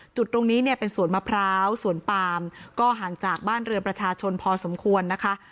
จุดตรงนี้เนี่ยเป็นสวนมะพร้าวสวนปามก็ห่างจากบ้านเรือนประชาชนพอสมควรนะคะ